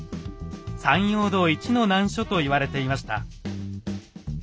山陽道一の難所と言われていました。